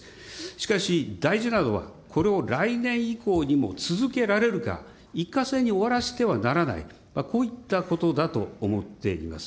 しかし、大事なのはこれを来年以降にも続けられるか、一過性に終わらせてはならない、こういったことだと思っています。